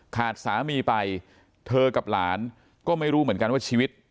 สามีไปเธอกับหลานก็ไม่รู้เหมือนกันว่าชีวิต